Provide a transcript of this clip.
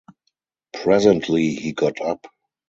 Presently he got up.